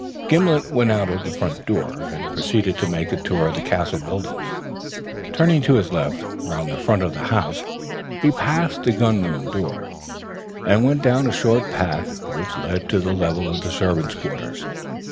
Gimblet went out of the front door, and proceeded to make a tour of the Castle buildings. Turning to his left round the front of the house, he passed the gun room door, and went down a short path, which led to the level of the servants' quarters.